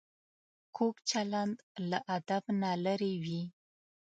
کوږ چلند له ادب نه لرې وي